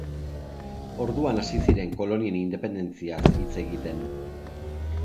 Orduan hasi ziren kolonien independentziaz hitz egiten.